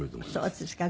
そうですか。